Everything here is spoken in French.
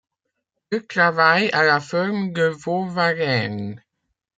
Il travaille à la ferme de Vaux-Varennes.